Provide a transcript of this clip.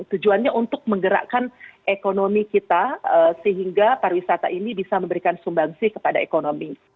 tujuannya untuk menggerakkan ekonomi kita sehingga pariwisata ini bisa memberikan sumbangsi kepada ekonomi